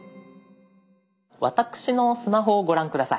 私のスマホをご覧下さい。